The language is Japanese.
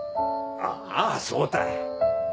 ああそうたい。